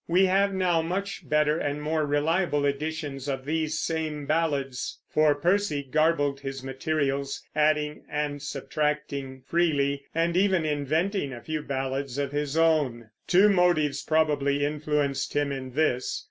We have now much better and more reliable editions of these same ballads; for Percy garbled his materials, adding and subtracting freely, and even inventing a few ballads of his own. Two motives probably influenced him in this.